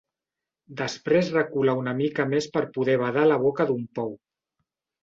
Després recula una mica més per poder badar a la boca d'un pou.